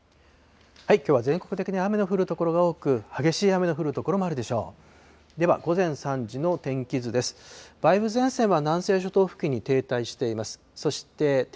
きょうは全国的に雨の降る所が多く、激しい雨の降る所もあるでしょう。